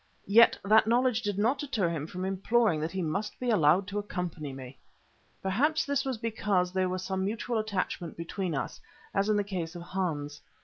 Yet that knowledge did not deter him from imploring that he might be allowed to accompany me. Perhaps this was because there was some mutual attachment between us, as in the case of Hans.